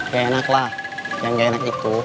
gak enaklah yang gak enak itu